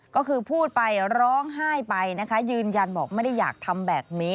ก็คือพูดไปร้องไห้ไปนะคะยืนยันบอกไม่ได้อยากทำแบบนี้